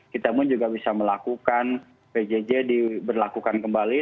kita pun juga bisa melakukan pjj diberlakukan kembali